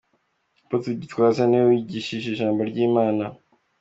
Apotre Gitwaza ni we wigishije ijambo ry'Imana.